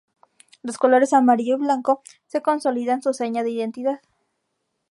Los colores amarillo y blanco se consolidan su seña de identidad.